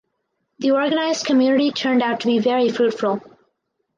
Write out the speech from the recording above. The organized community turned out to be very fruitful.